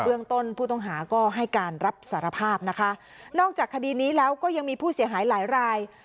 เรื่องต้นผู้ต้องหาก็ให้การรับสารภาพนะคะนอกจากคดีนี้แล้วก็ยังมีผู้เสียหายหลายราย